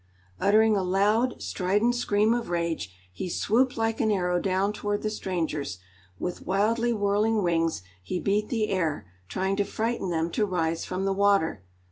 Uttering a loud, strident scream of rage, he swooped like an arrow down toward the strangers; with wildly whirling wings he beat the air, trying to frighten them to rise from the water.